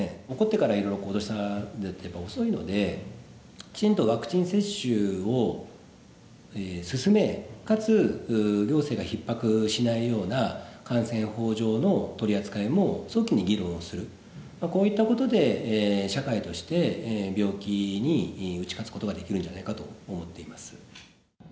起こってからいろいろ行動したのでは遅いので、きちんとワクチン接種を進め、かつ行政がひっ迫しないような感染法上の取り扱いも早期に議論をする、こういったことで、社会として、病気に打ち勝つことができるんじゃないかと思っています。